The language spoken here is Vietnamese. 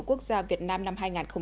quốc gia việt nam năm hai nghìn hai mươi